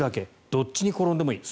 どっちに転んでもいい。